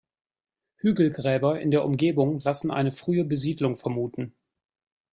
Hügelgräber in der Umgebung lassen eine frühe Besiedelung vermuten.